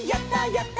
やった！